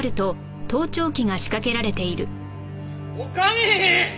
女将！